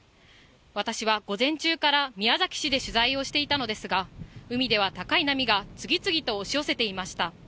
私は午前中から宮崎市で取材をしていたのですが、海では高い波が次々と押し寄せていました。